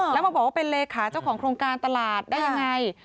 แล้วมาบอกว่าเป็นเลขาเจ้าของโครงการตลาดได้ยังไง